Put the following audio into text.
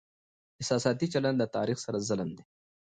احساساتي چلند له تاريخ سره ظلم دی.